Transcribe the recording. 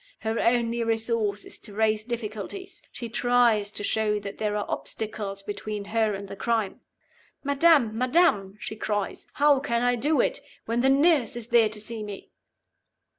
Her only resource is to raise difficulties; she tries to show that there are obstacles between her and the crime. 'Madam! madam!' she cries; 'how can I do it, when the nurse is there to see me?